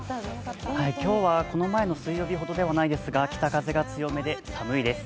今日はこの前の水曜日ほどではないんですが北風が強めで寒いです。